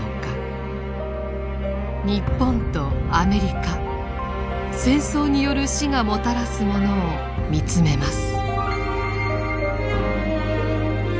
日本とアメリカ「戦争による死」がもたらすものを見つめます。